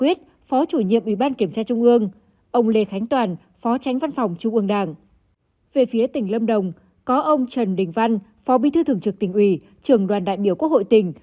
về phía tỉnh lâm đồng có ông trần đình văn phó bí thư thường trực tỉnh ủy trường đoàn đại biểu quốc hội tỉnh